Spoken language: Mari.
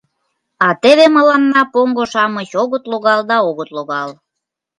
— А теве мыланна поҥго-шамыч огыт логал да огыт логал.